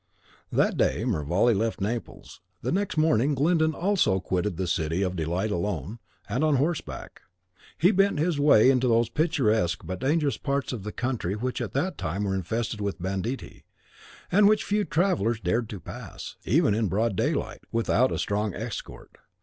That day Mervale left Naples; the next morning Glyndon also quitted the City of Delight alone, and on horseback. He bent his way into those picturesque but dangerous parts of the country which at that time were infested by banditti, and which few travellers dared to pass, even in broad daylight, without a strong escort.